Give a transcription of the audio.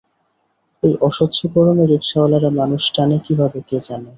এই অসহ্য গরমে রিকশাওয়ালারা মানুষ টানে কীভাবে কে জানে।